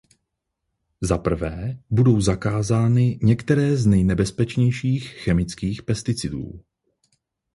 Zaprvé budou zakázány některé z nejnebezpečnějších chemických pesticidů.